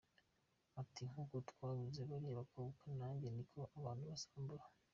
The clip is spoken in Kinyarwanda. Ati, “Nk’uko twabuze bariya bakobwa, nanjye niko abantu bazambura.